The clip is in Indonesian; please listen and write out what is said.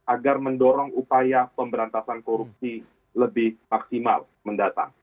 agar mendorong upaya pemberantasan korupsi lebih maksimal mendatang